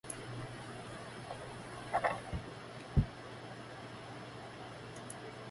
再次工商啦